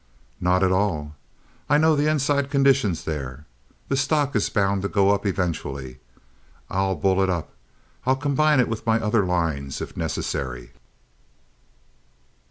"Not at all. I know the inside conditions there. The stock is bound to go up eventually. I'll bull it up. I'll combine it with my other lines, if necessary."